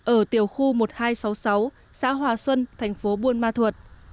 ở tiểu khu một nghìn hai trăm sáu mươi sáu xã hòa xuân thành phố buôn ma thuột